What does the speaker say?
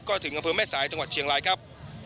ก็ถึงอำเภอแม่สายจังหวัดเชียงรายครับ